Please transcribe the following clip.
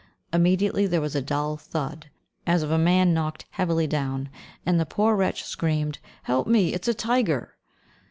Immediately there was a dull thud, as of a man knocked heavily down, and the poor wretch screamed, "Help me, it is a tiger!"